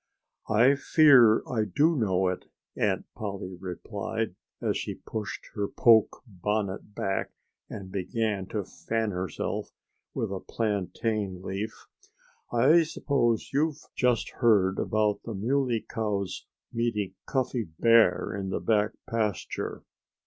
"I fear I do know it," Aunt Polly replied, as she pushed her poke bonnet back and began to fan herself with a plantain leaf. "I suppose you've just heard about the Muley Cow's meeting Cuffy Bear in the back pasture."